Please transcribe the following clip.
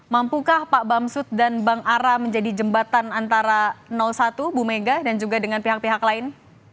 mampukah pak bamsud dan bang ara menjadi jembatan antara satu bu mega dan juga dengan pihak pihak lain